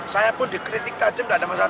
saya pun dikritik saja tidak ada masalah